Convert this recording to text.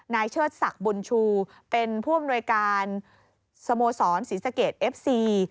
นายเชิดสักบุญชูเป็นผู้อำนวยการสโมสรศิษฐกิจเอฟซี